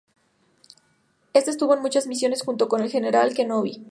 Este estuvo en muchas misiones junto con el general kenobi.